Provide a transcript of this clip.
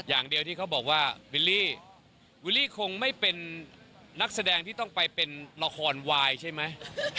อย่างเดียวที่เขาบอกว่าวิลลี่วิลลี่คงไม่เป็นนักแสดงที่ต้องไปเป็นละครวายใช่ไหม